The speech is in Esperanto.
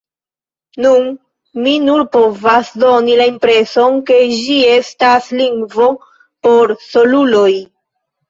Nun, mi nur povas doni la impreson ke ĝi estas lingvo por soluloj.